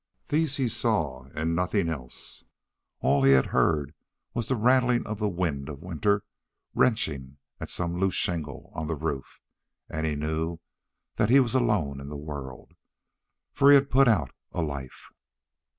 These he saw, and nothing else, and all he heard was the rattling of the wind of winter, wrenching at some loose shingle on the roof, and he knew that he was alone in the world, for he had put out a life.